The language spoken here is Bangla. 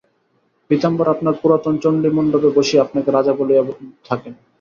পীতাম্বর আপনার পুরাতন চণ্ডীমণ্ডপে বসিয়া আপনাকে রাজা বলিয়া থাকেন।